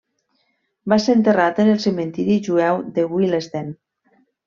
Va ser enterrat en el cementiri jueu de Willesden.